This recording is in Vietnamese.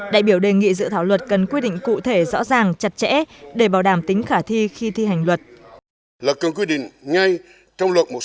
đại biểu đề nghị dự thảo luật cần quy định cụ thể rõ ràng chặt chẽ để bảo đảm tính khả thi khi thi hành luật